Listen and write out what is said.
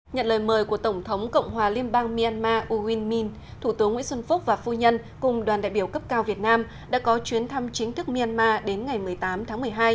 nhận lời mời của tổng thống cộng hòa liên bang myanmar u win min thủ tướng nguyễn xuân phúc và phu nhân cùng đoàn đại biểu cấp cao việt nam đã có chuyến thăm chính thức myanmar đến ngày một mươi tám tháng một mươi hai